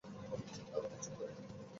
আমি কিছু করিনি।